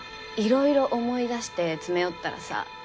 いろいろ思い出して詰め寄ったらさ